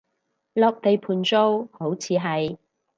落地盤做，好似係